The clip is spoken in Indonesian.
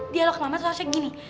dialog mama tuh seharusnya gini